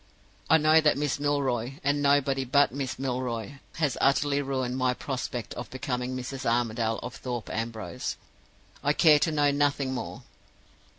I know that Miss Milroy, and nobody but Miss Milroy has utterly ruined my prospect of becoming Mrs. Armadale of Thorpe Ambrose, and I care to know nothing more.